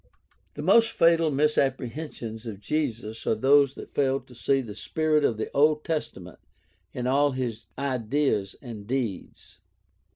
The most fatal misapprehensions of Jesus are those that fail to see the spirit of the Old Testament in all his ideas and deeds.